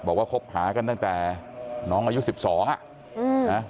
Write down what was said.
บอกว่าพบหากันตั้งแต่น้องอายุสิบสองอ่ะอืม